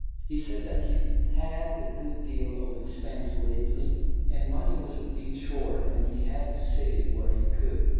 He said that he'd had a good deal of expense lately, and money was a bit short, and he had to save where he could.